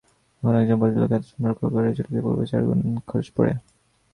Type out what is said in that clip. এখন একজন ভদ্রলোকের আত্মসম্ভ্রম রক্ষা করিয়া চলিতে পূর্বাপেক্ষা চারগুণ খরচ পড়ে।